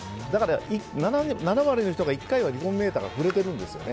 だから７割の人が１回は離婚メーターが触れてるんですよね。